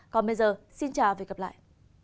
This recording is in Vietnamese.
còn bây giờ xin chào và hẹn gặp lại